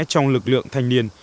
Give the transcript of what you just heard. trong lực lượng thanh niên